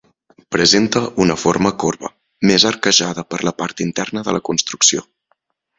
Presenta una forma corba, més arquejada per la part interna de la construcció.